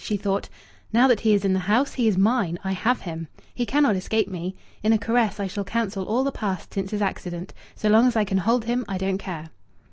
She thought: "Now that he is in the house, he is mine. I have him. He cannot escape me. In a caress I shall cancel all the past since his accident. So long as I can hold him I don't care."